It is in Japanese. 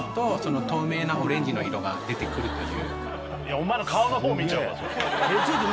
お前の顔の方見ちゃうわ。